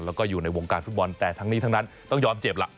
แล้วก็อยู่ในวงการฟุตบอลแต่ทั้งนี้ทั้งนั้นต้องยอมเจ็บล่ะ